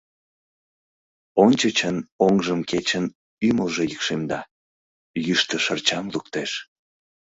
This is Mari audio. Ончычын оҥжым кечын ӱмылжӧ йӱкшемда, йӱштӧ шырчам луктеш.